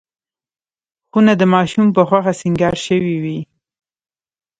خونه د ماشوم په خوښه سینګار شوې وي.